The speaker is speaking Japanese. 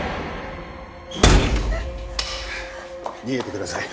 逃げてください。